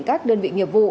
các đơn vị nghiệp vụ